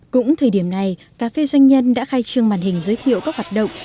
cũng thời điểm này cà phê doanh nhân đã khai trương màn hình giới thiệu các hoạt động